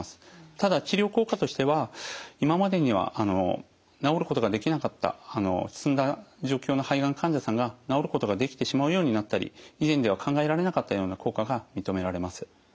ただ治療効果としては今までには治ることができなかった進んだ状況の肺がん患者さんが治ることができてしまうようになったり以前では考えられなかったような効果が認められます。